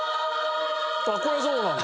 あっこれそうなんだ。